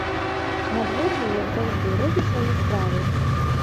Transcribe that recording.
Надвор'е, як заўжды, робіць сваю справу.